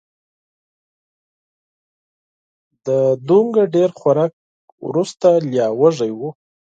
د دومره ډېر خوراک وروسته لا وږی و